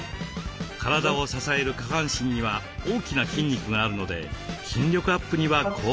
体を支える下半身には大きな筋肉があるので筋力アップには効果的です。